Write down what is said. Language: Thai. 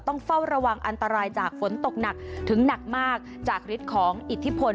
ต้องเฝ้าระวังอันตรายจากฝนตกหนักถึงหนักมากจากฤทธิ์ของอิทธิพล